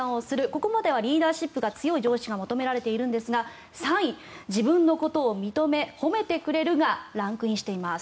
ここまではリーダーシップが強い上司が求められているんですが３位、自分のことを認め褒めてくれるがランクインしています。